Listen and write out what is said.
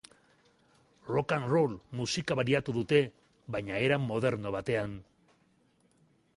Rock-and-roll musika baliatu dute, baina era moderno batean.